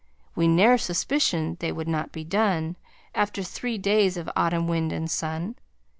We ne'er suspicioned they would not be done After three days of autumn wind and sun.